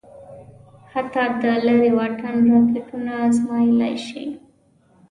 حتی د لېرې واټن راکېټونه ازمايلای شي.